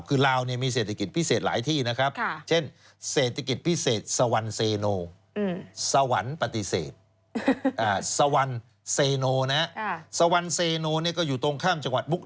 คือลาวมีเศรษฐกิจพิเศษหลายที่นะครับ